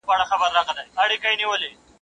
اوښ تې ويل الغبندي وکه، ده ول، په کمو لاسو.